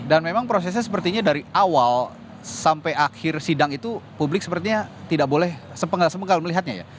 dan memang prosesnya sepertinya dari awal sampai akhir sidang itu publik sepertinya tidak boleh sempenggal melihatnya ya